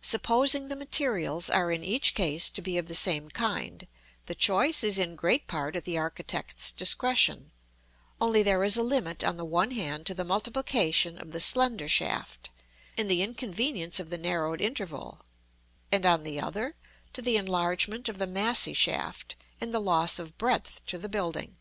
Supposing the materials are in each case to be of the same kind, the choice is in great part at the architect's discretion, only there is a limit on the one hand to the multiplication of the slender shaft, in the inconvenience of the narrowed interval, and on the other, to the enlargement of the massy shaft, in the loss of breadth to the building.